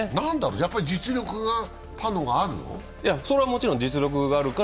やっぱり実力がパの方があるの？